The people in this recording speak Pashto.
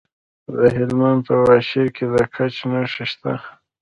د هلمند په واشیر کې د ګچ نښې شته.